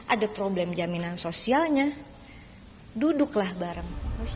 ada problem jaminan sosialnya duduklah bareng